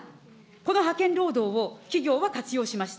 この派遣労働を、企業は活用しました。